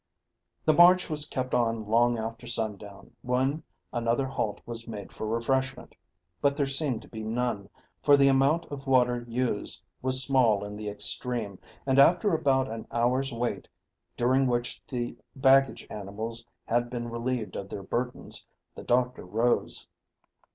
The march was kept on long after sundown, when another halt was made for refreshment; but there seemed to be none, for the amount of water used was small in the extreme, and after about an hour's wait, during which the baggage animals had been relieved of their burdens, the doctor rose.